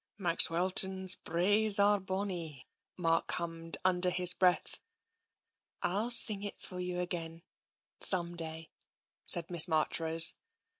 "' Maxwelton's braes are bonny,' " Mark hummed under his breath. *' ril sing it for you again, some day," said Miss Marchrose.